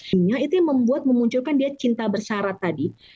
sehingga itu yang membuat memunculkan dia cinta bersarat tadi